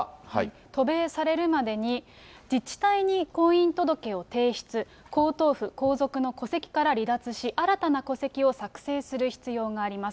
渡米されるまでに、自治体に婚姻届を提出、皇統譜、皇族の戸籍から離脱し、新たな戸籍を作成する必要があります。